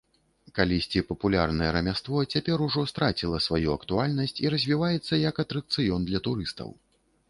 Калісьці папулярнае рамяство цяпер ужо страціла сваю актуальнасць і развіваецца як атракцыён для турыстаў.